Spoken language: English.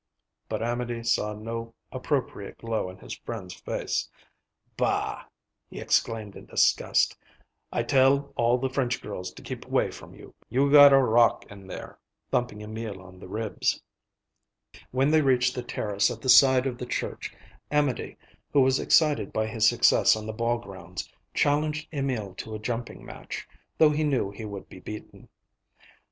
But Amédée saw no appropriate glow in his friend's face. "Bah!" he exclaimed in disgust. "I tell all the French girls to keep 'way from you. You gotta rock in there," thumping Emil on the ribs. When they reached the terrace at the side of the church, Amédée, who was excited by his success on the ball grounds, challenged Emil to a jumping match, though he knew he would be beaten.